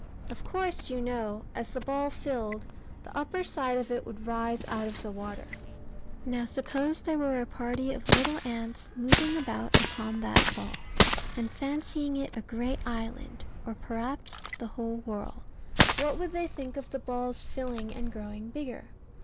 Of course, you know, as the ball filled, the upper side of it would rise out of the water. Now, suppose there were a party of little ants moving about upon that ball, and fancying it a great island, or perhaps the whole world what would they think of the ball's filling and growing bigger?